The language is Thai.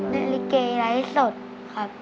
นาฬิเกย์ไร้สดครับ